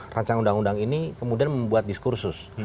rancangan undang undang ini kemudian membuat diskursus